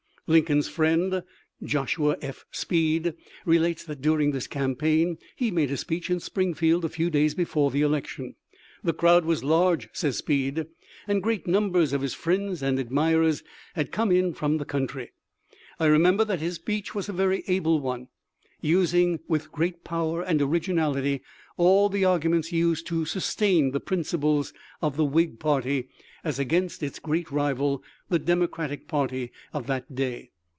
Lincoln's friend Joshua F. Speed relates that dur ing this campaign he made a speech in Springfield a few days before the election. " The crowd was large," says Speed, " and great numbers of his friends and admirers had come in from the country. I remember that his speech was a very able one, using with great power and originality all the argu ments used to sustain the principles of the Whig party as against its great rival, the Democratic party of that day.